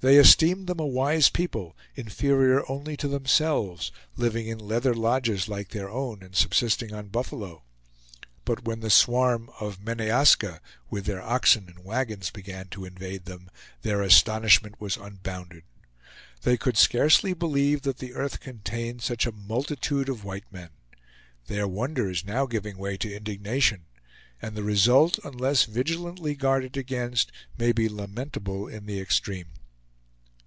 They esteemed them a wise people, inferior only to themselves, living in leather lodges, like their own, and subsisting on buffalo. But when the swarm of MENEASKA, with their oxen and wagons, began to invade them, their astonishment was unbounded. They could scarcely believe that the earth contained such a multitude of white men. Their wonder is now giving way to indignation; and the result, unless vigilantly guarded against, may be lamentable in the extreme.